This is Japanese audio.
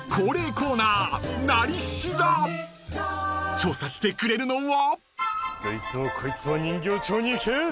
［調査してくれるのは？］